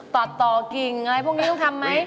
ตัดต่อกิ่งอะไรพวกนี้ต้องทำไหม